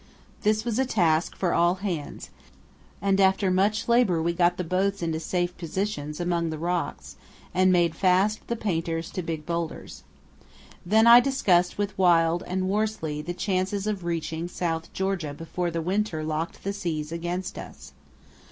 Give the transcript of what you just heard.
This was a task for all hands, and after much labour we got the boats into safe positions among the rocks and made fast the painters to big boulders. Then I discussed with Wild and Worsley the chances of reaching South Georgia before the winter locked the seas against us.